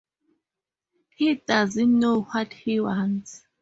He doesn't know what he wants.